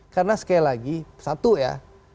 karena sekali lagi satu ya